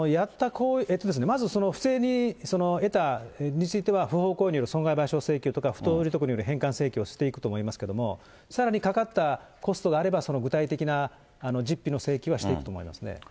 まず、その不正に得たものについては不法行為による損害賠償請求とか、不当利得による返還請求をしていくと思いますけども、さらにかかったコストがあれば、その具体的な実費の請求はしていくと思いますね。